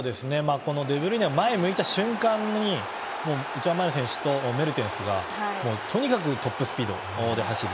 デブルイネ前を向いた瞬間にいちばん前の選手とメルテンスがとにかくトップスピードで走る。